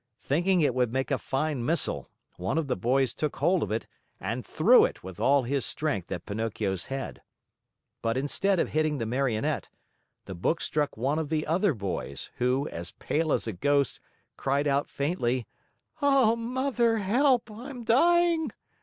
Thinking it would make a fine missile, one of the boys took hold of it and threw it with all his strength at Pinocchio's head. But instead of hitting the Marionette, the book struck one of the other boys, who, as pale as a ghost, cried out faintly: "Oh, Mother, help! I'm dying!"